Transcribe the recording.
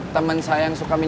temen saya yang suka minum uang